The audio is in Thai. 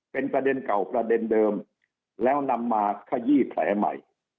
เป็นประเด็นเก่าประเด็นเดิมแล้วนำมาขยี้แผลใหม่